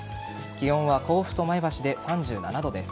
気温は甲府と前橋で３７度です。